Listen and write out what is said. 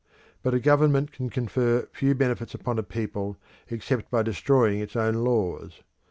But a government can confer few benefits upon a people except by destroying its own laws.